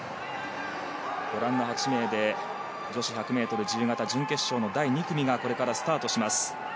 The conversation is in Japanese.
ご覧の８名で女子１００ｍ自由形、準決勝の第２組がスタートします。